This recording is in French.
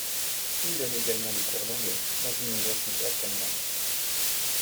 Il donne également des cours d'anglais dans une université à Pyongyang.